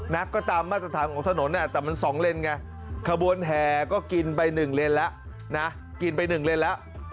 นะก็ตามมาตรฐานของถนนแต่มัน๒เลนไงขบวนแห่ก็กินไป๑เลนแล้วนะกินไป๑เลนแล้ว